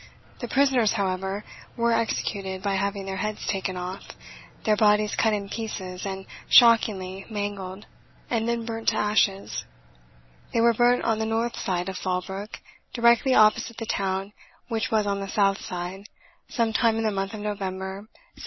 The prisoners, however, were executed by having their heads taken off, their bodies cut in pieces and shockingly mangled, and then burnt to ashes! They were burnt on the north side of Fall brook, directly opposite the town which was on the south side, some time in the month of November, 1759.